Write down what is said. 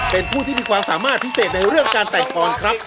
เป็นผู้ที่มีความสามารถพิเศษในเรื่องการแต่งปอนครับ